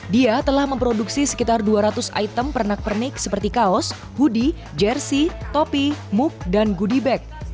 dia telah memproduksi sekitar dua ratus item pernak pernik seperti kaos hoodie jersey topi mug dan goodie bag